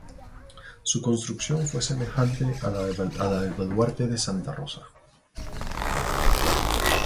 Su construcción fue semejante a la del baluarte de Santa Rosa.